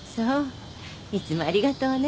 いつもありがとうね。